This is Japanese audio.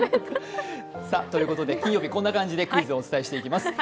ということで金曜日、こんな感じでクイズをお伝えしていきます。